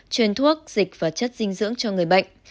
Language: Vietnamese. chuyên thuốc dịch và chất dinh dưỡng cho người bệnh